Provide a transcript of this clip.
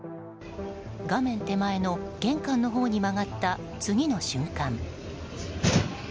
画面手前の玄関のほうに曲がった次の瞬間。